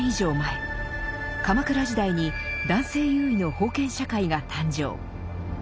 鎌倉時代に男性優位の封建社会が誕生。